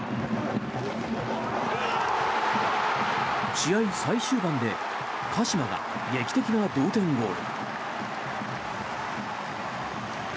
試合最終盤で鹿島が劇的な同点ゴール。